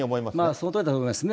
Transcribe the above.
そのとおりだと思いますね。